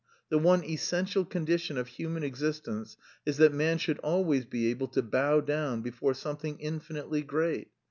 The one essential condition of human existence is that man should always be able to bow down before something infinitely great.